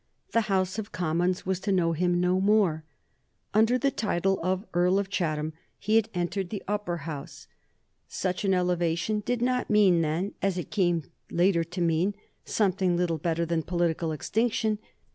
The House of Commons was to know him no more. Under the title of Earl of Chatham he had entered the Upper House. Such an elevation did not mean then, as it came later to mean, something little better than political extinction.